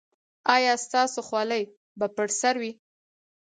ایا ستاسو خولۍ به پر سر وي؟